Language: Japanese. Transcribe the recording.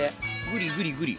ぐりぐりぐり。